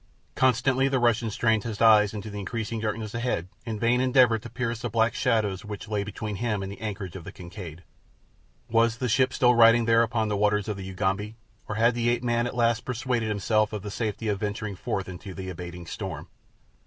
Constantly the Russian strained his eyes into the increasing darkness ahead in vain endeavour to pierce the black shadows which lay between him and the anchorage of the Kincaid. Was the ship still riding there upon the waters of the Ugambi, or had the ape man at last persuaded himself of the safety of venturing forth into the abating storm?